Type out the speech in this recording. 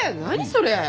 それ！